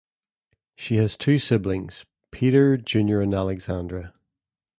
She has two siblings: Peter, Junior and Alexandra.